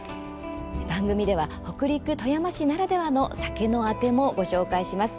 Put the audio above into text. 番組では北陸・富山市ならではの酒のあてもご紹介します。